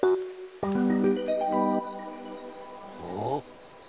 おっ？